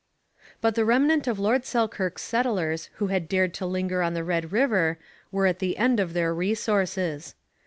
But the remnant of Lord Selkirk's settlers who had dared to linger on the Red River were at the end of their resources.